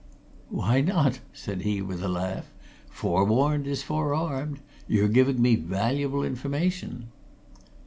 "Why not?" said he with a laugh. "Forewarned is forearmed. You're giving me valuable information."